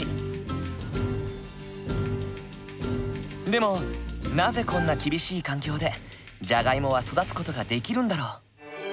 でもなぜこんな厳しい環境でじゃがいもは育つ事ができるんだろう？